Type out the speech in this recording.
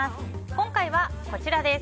今回はこちらです。